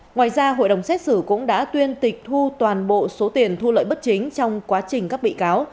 ngoài ra hội đồng xét xử cũng đã tuyên tịch thu toàn bộ số tiền thu lợi bất chính trong quá trình các bị cáo